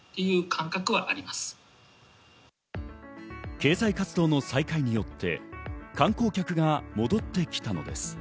経済活動の再開によって観光客が戻ってきたのです。